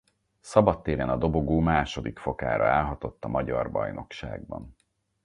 Szabadtéren a dobogó második fokára állhatott a magyar bajnokságban.